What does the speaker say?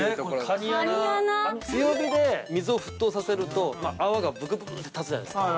◆カニ穴？◆強火で水を沸騰させると泡がぶくぶくって立つじゃないですか。